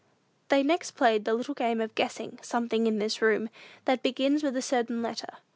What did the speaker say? They next played the little game of guessing "something in this room," that begins with a certain letter.